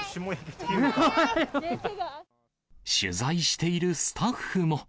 取材しているスタッフも。